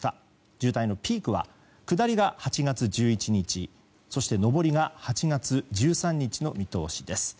渋滞のピークは下りが８月１１日そして上りが８月１３日の見通しです。